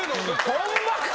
ホンマか？